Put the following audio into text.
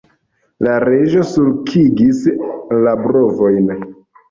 La Reĝo sulkigis la brovojn.